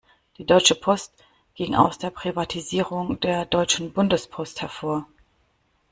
Die Deutsche Post ging aus der Privatisierung der Deutschen Bundespost hervor.